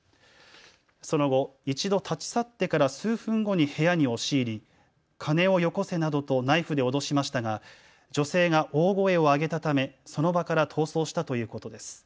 その後、１度立ち去ってから数分後に部屋に押し入り金をよこせなどとナイフで脅しましたが女性が大声を上げたためその場から逃走したということです。